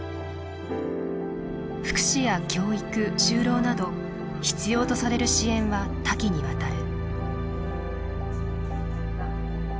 福祉や教育就労など必要とされる支援は多岐にわたる。